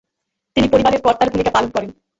তিনি পরিবারের কর্তার ভূমিকা পালন শুরু করেন।